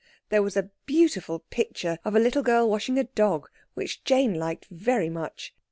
There was a beautiful picture of a little girl washing a dog, which Jane liked very much.